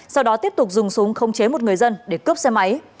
sau đó tiếp tục dùng súng khống chế một người dân để cướp xe máy